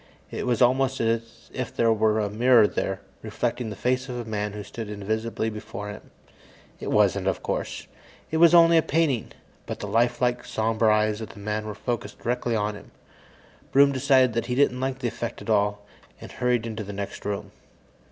It was almost as if there were a mirror there, reflecting the face of a man who stood invisibly before it. It wasn't, of course; it was only a painting. But the lifelike, somber eyes of the man were focused directly on him. Broom decided he didn't like the effect at all, and hurried into the next room.